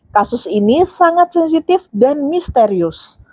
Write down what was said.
kasus ini sangat sensitif dan misterius